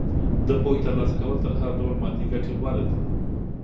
د پوهې ترلاسه کول تر هر ډول مادي ګټې غوره دي.